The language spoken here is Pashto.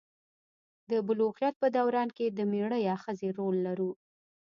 د بلوغیت په دوران کې د میړه یا ښځې رول لرو.